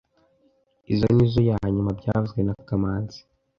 Izoi nizoo yanyuma byavuzwe na kamanzi